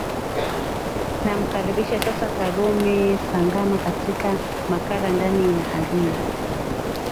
namkaribisha sasa karume sangama katika makala ndani ya alia